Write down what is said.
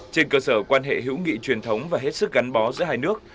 trên cơ sở quan hệ hữu nghị truyền thống và hết sức gắn bó giữa hai nước